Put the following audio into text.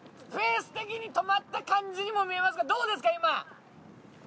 ペース的に止まった感じにも見えますがどうですか今？